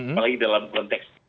apalagi dalam konteks